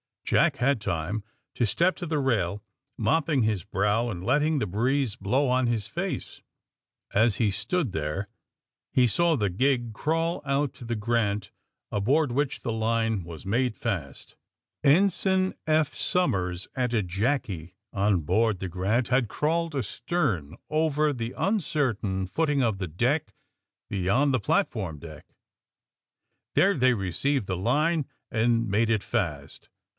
Jack had time to step to the rail, mopping his brow and letting the breeze blow on his face. As he stood there he saw the gig crawl out to the *^ Grant," aboard which the line was made fast. 134 THE SUBMARINE BOYS V Ensign Epli Somers and a jacMe on board the *^ Grant" liad crawled astern over the uncer tain footing of the deck beyond the platform deck. There they received the line and made it fast.